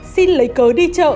sinh lấy cớ đi chợ